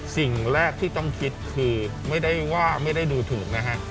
สิ่งแรกที่ต้องคิดคือไม่ได้ว่าไม่ได้ดูถูกนะฮะ